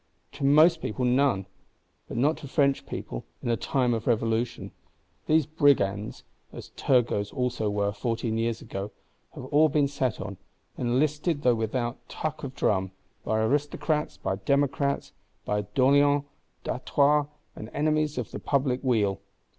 To most people none; but not to French people, in a time of Revolution. These Brigands (as Turgot's also were, fourteen years ago) have all been set on; enlisted, though without tuck of drum,—by Aristocrats, by Democrats, by D'Orléans, D'Artois, and enemies of the public weal.